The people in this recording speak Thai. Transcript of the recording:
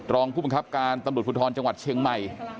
รองผู้บังคับการตำรวจภูทรจังหวัดเชียงใหม่